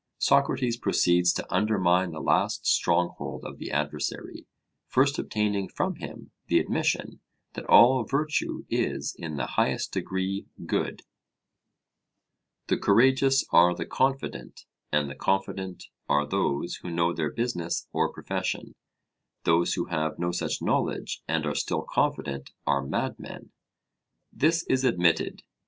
Socrates proceeds to undermine the last stronghold of the adversary, first obtaining from him the admission that all virtue is in the highest degree good: The courageous are the confident; and the confident are those who know their business or profession: those who have no such knowledge and are still confident are madmen. This is admitted.